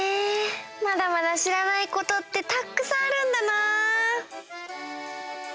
まだまだしらないことってたっくさんあるんだな！